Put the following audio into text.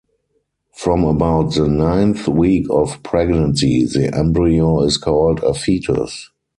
From about the ninth week of pregnancy the embryo is called a fetus.